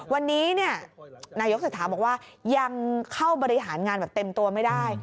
วันนี้นายกเศรษฐาบอกว่ายังเข้าบริหารงานแบบเต็มตัวไม่ได้